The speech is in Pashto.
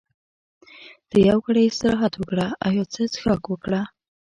ته یو ګړی استراحت وکړه او یو څه څښاک وکړه.